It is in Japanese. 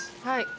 はい。